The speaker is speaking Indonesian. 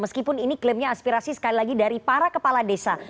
meskipun ini klaimnya aspirasi sekali lagi dari para kepala desa